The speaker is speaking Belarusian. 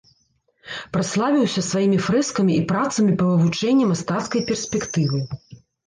Праславіўся сваімі фрэскамі і працамі па вывучэнні мастацкай перспектывы.